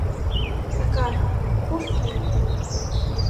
Сакар, пушт мыйым!..